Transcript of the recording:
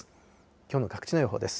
きょうの各地の予報です。